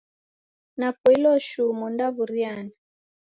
Napoilo shuu mondaw'uriana.